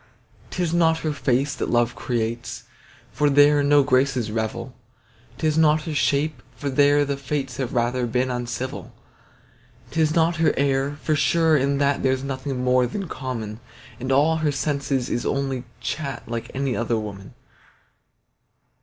'Tis not her face that love creates, For there no graces revel; 'Tis not her shape, for there the fates Have rather been uncivil. 'Tis not her air, for sure in that There's nothing more than common; And all her sense is only chat Like any other woman.